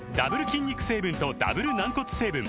筋肉成分とダブル軟骨成分